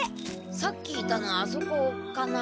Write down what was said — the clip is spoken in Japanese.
さっきいたのあそこかな？